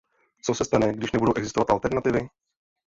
Co se stane, když nebudou existovat alternativy?